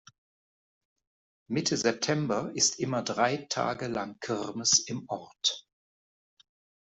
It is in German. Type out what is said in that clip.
Mitte September ist immer drei Tage lang Kirmes im Ort.